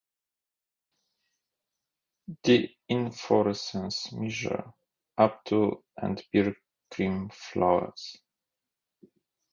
The inflorescences measure up to and bear cream flowers.